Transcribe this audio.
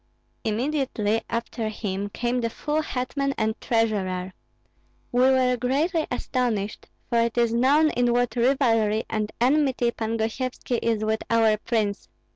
"Immediately after him came the full hetman and treasurer. We were greatly astonished, for it is known in what rivalry and enmity Pan Gosyevski is with our prince.